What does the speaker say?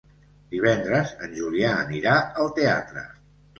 Divendres en Julià anirà al teatre.